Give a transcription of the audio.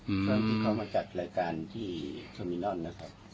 อืมเมื่อกี้เขามาจัดรายการที่ด้านสามด้านนะครับ